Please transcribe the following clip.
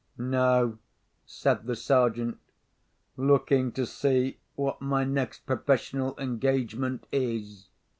"No," said the Sergeant. "Looking to see what my next professional engagement is."